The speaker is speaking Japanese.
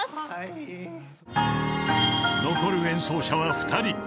［残る演奏者は２人］